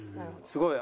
すごい。